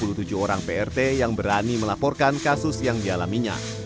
seorang prt yang berani melaporkan kasus yang dialaminya